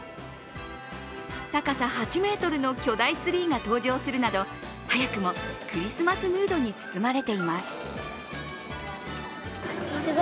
高さ８ｍの巨大ツリーが登場するなど早くもクリスマスムードに包まれています。